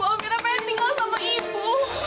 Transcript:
amira pengen tinggal sama ibu